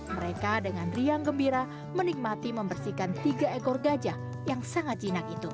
mereka dengan riang gembira menikmati membersihkan tiga ekor gajah yang sangat jinak itu